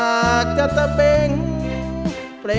ไม่ใช้ครับไม่ใช้ครับ